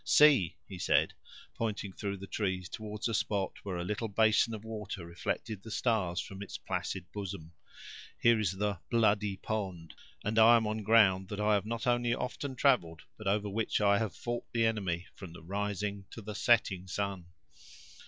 See," he said, pointing through the trees toward a spot where a little basin of water reflected the stars from its placid bosom, "here is the 'bloody pond'; and I am on ground that I have not only often traveled, but over which I have fou't the enemy, from the rising to the setting sun."